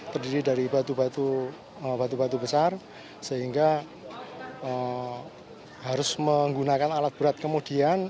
terdiri dari batu batu besar sehingga harus menggunakan alat berat kemudian